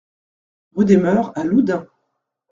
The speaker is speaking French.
Rue des Meures à Loudun